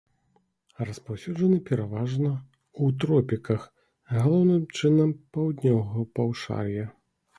Распаўсюджаны пераважна ў тропіках, галоўным чынам, паўднёвага паўшар'я.